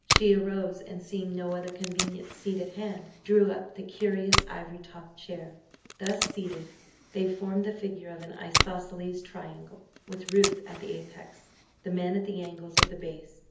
She arose, and seeing no other convenient seat at hand, drew up the curious ivory topped chair. Thus seated, they formed the figure of an isosceles triangle, with Ruth at the apex, the men at the angles of the base.